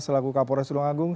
selaku kapolres sulung agung